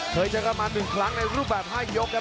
เคยเจอกันมา๑ครั้งในรูปแบบ๕ยกครับ